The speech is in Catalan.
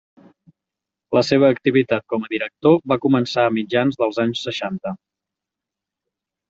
La seva activitat com a director va començar a mitjans dels anys seixanta.